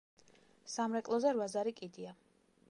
სამრეკლოზე რვა ზარი კიდია.